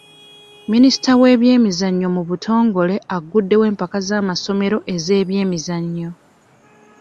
Minisita w'ebyemizannyo mu butongole aguddewo empaka z'amasomero ez'ebyemizannyo.